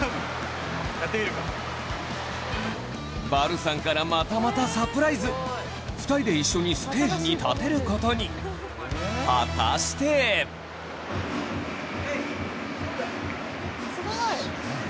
錬くんに憧れのバルさんからまたまたサプライズ２人で一緒にステージに立てることに果たして ⁉ＯＫ。